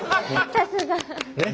さすが。